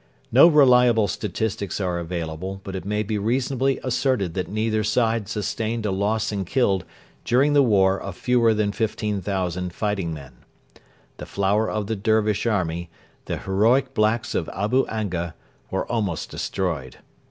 No reliable statistics are avaliable, but it may be reasonably asserted that neither side sustained a loss in killed during the war of fewer than 15,000 fighting men. The flower of the Dervish army, the heroic blacks of Abu Anga, were almost destroyed.